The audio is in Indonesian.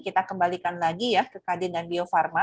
kita kembalikan lagi ya ke kadin dan bio farma